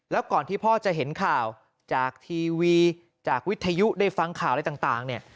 แล้วก่อนที่พ่อจะเห็นข่าวจากทีวีจากวิทยุได้ฟังข่าวอะไรต่างเนี่ย